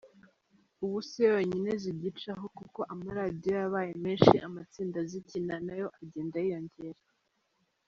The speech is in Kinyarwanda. Ubu siyo yonyine zigicaho kuko amaradiyo yabaye menshi, amatsinda azikina nayo agenda yiyongera.